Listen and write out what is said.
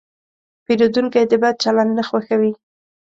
پیرودونکی د بد چلند نه خوښوي.